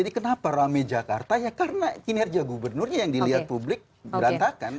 jadi kenapa rame jakarta ya karena kinerja gubernurnya yang dilihat publik berantakan